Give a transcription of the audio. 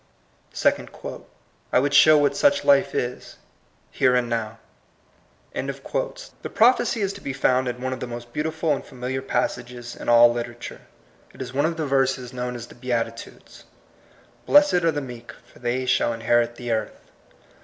I would show what such life is, here and now/ ♦»^ i THE COMING PEOPLE. CHAPTER I. THE PROPHECY. The prophecy is to be found in one of the most beautiful and familiar passages in all literature. It is one of the verses known as the Beatitudes, '* Blessed are the meek : for they shall inherit the earth."